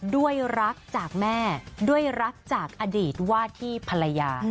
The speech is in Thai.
ด้วยรักจากแม่ด้วยรักจากอดีตว่าที่ภรรยา